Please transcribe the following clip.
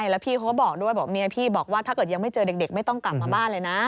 แล้วพี่เขาก็บอกด้วยบอกเมียพี่บอกว่าถ้าเกิดยังไม่เจอเด็กไม่ต้องกลับมาบ้านเลยนะ